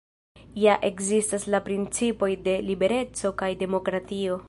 Ja ekzistas la principoj de libereco kaj demokratio.